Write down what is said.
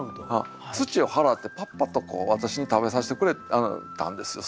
土を払ってパッパと私に食べさしてくれたんですよ